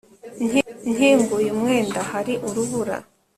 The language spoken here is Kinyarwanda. Nkinguye umwenda hari urubura